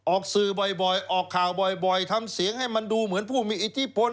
ออกสื่อบ่อยออกข่าวบ่อยทำเสียงให้มันดูเหมือนผู้มีอิทธิพล